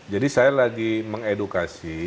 jadi saya lagi mengedukasi